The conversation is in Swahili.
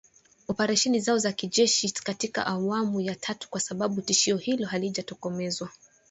oparesheni zao za kijeshi katika awamu ya tatu kwa sababu tishio hilo halijatokomezwa